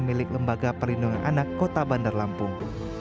milik lembaga perlindungan anak kota bandar lampung